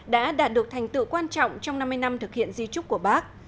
đã đạt được thành tựu quan trọng trong năm mươi năm thực hiện di trúc của bác